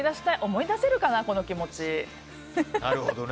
思い出せるかな、この気持ち。